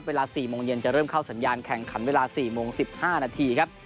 เวลา๔โมงเย็นจะเริ่มเข้าสัญญาณแข่งขันเวลา๔โมง๑๕นาทีครับ